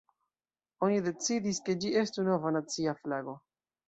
Oni decidis, ke ĝi estu nova nacia flago.